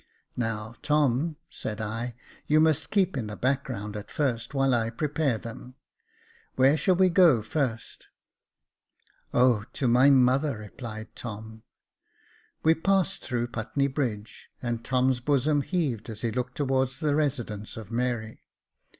" Now, Tom," said I, " you must keep in the back ground at first, while I prepare them. Where shall we go first ?" Jacob Faithful 423 " Oh ! to my mother," replied Tom. "We passed through Putney Bridge, and Tom's bosom heaved as he looked towards the residence of Mary.